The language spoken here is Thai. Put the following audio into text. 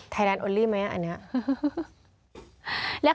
แลนดโอลี่ไหมอันนี้